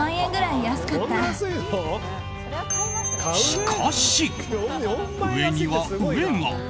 しかし、上には上が。